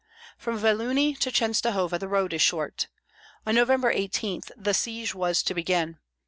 From Vyelunie to Chenstohova the road is short. On November 18 the siege was to begin.